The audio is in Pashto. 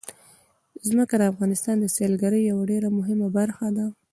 ځمکه د افغانستان د سیلګرۍ یوه ډېره مهمه برخه ده.